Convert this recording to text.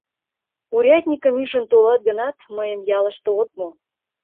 Урядникым ӱжын толат гынат, мыйым ялыште от му.